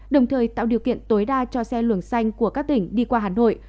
đồng thời tạo điều kiện tối đa cho xe luồng xanh của các tỉnh đi qua hà nội